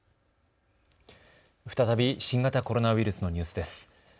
再び新型コロナウイルスのニュースです。